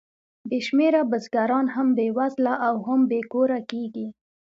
بې شمېره بزګران هم بېوزله او بې کوره کېږي